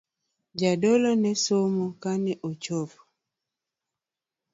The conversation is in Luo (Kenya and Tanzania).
Jadolo ne somo kane ochopo.